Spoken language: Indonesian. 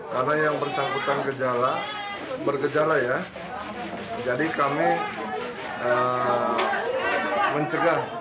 karena yang bersambutan gejala bergejala ya jadi kami mencegah